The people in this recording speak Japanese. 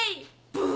ブー！